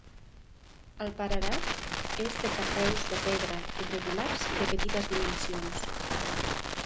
El paredat és de carreus de pedra irregulars i de petites dimensions.